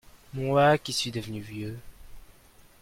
Moi qui suit de devenu vieux…